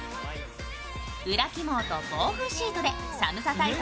裏起毛と防風シートで寒さ対策